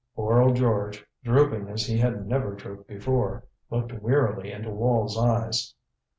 Poor old George, drooping as he had never drooped before, looked wearily into Wall's eyes.